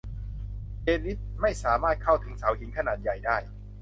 เดนนิสไม่สามารถเข้าถึงเสาหินขนาดใหญ่ได้